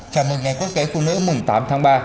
phụ nữ mùng tám tháng ba